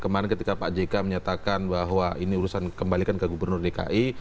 kemarin ketika pak jk menyatakan bahwa ini urusan kembalikan ke gubernur dki